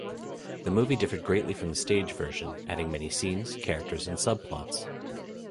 The movie differed greatly from the stage version, adding many scenes, characters, and subplots.